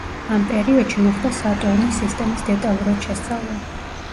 ამ პერიოდში, მოხდა სატურნის სისტემის დეტალურად შესწავლა.